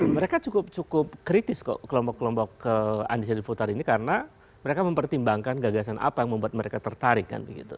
mereka cukup kritis kok kelompok kelompok undecided voter ini karena mereka mempertimbangkan gagasan apa yang membuat mereka tertarik kan begitu